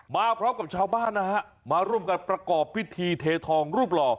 มาพร้อมกับชาวบ้านนะฮะมาร่วมกันประกอบพิธีเททองรูปหล่อ